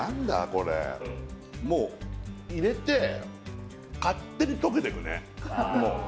これもう入れて勝手に溶けていくね